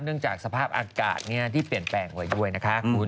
จากสภาพอากาศที่เปลี่ยนแปลงไว้ด้วยนะคะคุณ